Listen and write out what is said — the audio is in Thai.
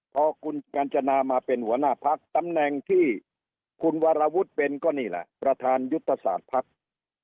พอคุณกัญจนามาเป็นหัวหน้าพักตำแหน่งที่คุณวรวุฒิเป็นก็นี่แหละประธานยุทธศาสตร์ภักดิ์